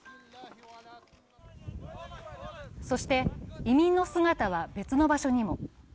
そして、移民の姿は別の場所にも。